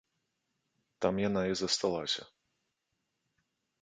Там яна і засталася.